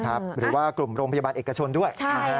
หรือว่ากลุ่มโรงพยาบาลเอกชนด้วย